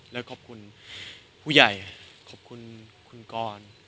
และขอบคุณผู้ใหญ่ขอบคุณคุณกร